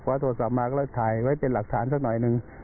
ขวาโทรศัพท์ที่มาถ่ายไว้เป็นหลักฐานสักหน่อยฉัน